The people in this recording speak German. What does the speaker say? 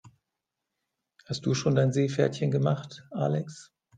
Hast du schon dein Seepferdchen gemacht, Alex?